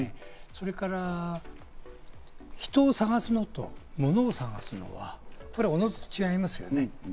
それから人を探すのと、物を探すのは、おのずと違いますね。